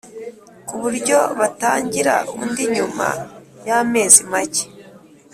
ku buryo batangira undi nyuma y’amezi make.